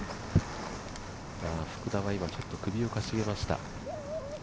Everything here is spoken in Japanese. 福田は今、ちょっと首をかしげました。